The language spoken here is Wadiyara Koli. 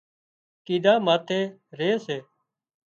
ڪيڌا ماٿي ري سي